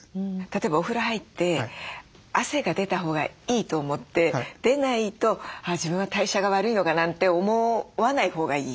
例えばお風呂入って汗が出たほうがいいと思って出ないと「あ自分は代謝が悪いのか」なんて思わないほうがいい？